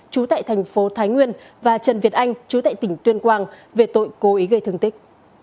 trú tại thành phố thái nguyên và trần việt anh chú tại tỉnh tuyên quang về tội cố ý gây thương tích